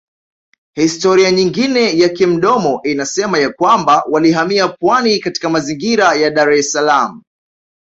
Historia nyingine ya kimdomo inasema ya kwamba walihamia pwani katika mazingira ya Daressalaam